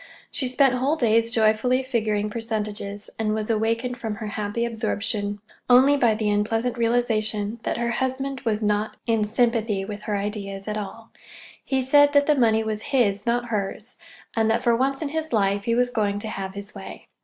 She spent whole days joyfully figuring percentages, and was awakened from her happy absorption only by the unpleasant realization that her husband was not in sympathy with her ideas at all. He said that the money was his, not hers, and that, for once in his life, he was going to have his way.